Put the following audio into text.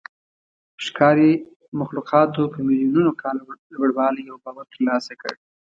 ښکاري مخلوقاتو په میلیونونو کاله لوړوالی او باور ترلاسه کړ.